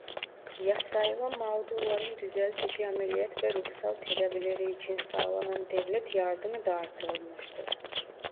Yasayla mağdurların düzeltici ameliyat ve ruhsal tedavileri için sağlanan devlet yardımı da artırılmıştır.